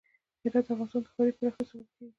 هرات د افغانستان د ښاري پراختیا سبب کېږي.